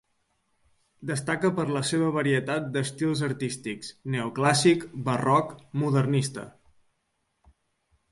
Destaca per la seua varietat d'estils artístics: neoclàssic, barroc, modernista.